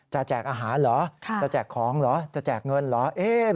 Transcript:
แจกอาหารเหรอจะแจกของเหรอจะแจกเงินเหรอ